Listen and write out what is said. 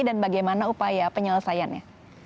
dan bagaimana upaya penyelesaiannya